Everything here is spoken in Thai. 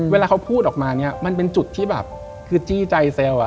เวลาเขาพูดออกมามันเป็นจุดที่จี้ใจเซลล์